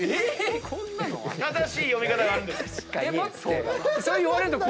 正しい読み方があるんです。